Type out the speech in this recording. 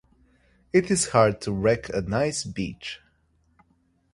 It is hard to wreck a nice beach.